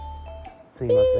すいません。